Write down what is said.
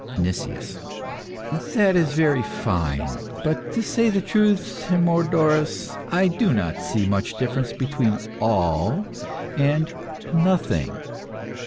NICIAS. That is very fine; but, to say the truth, Hermodorus, I do not see much difference between All and Nothing.